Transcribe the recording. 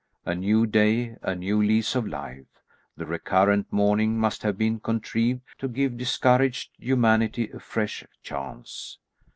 A new day; a new lease of life. The recurrent morning must have been contrived to give discouraged humanity a fresh chance.